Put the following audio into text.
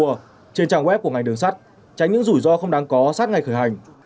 trên trang web của ngành đường sắt tránh những rủi ro không đáng có sát ngày khởi hành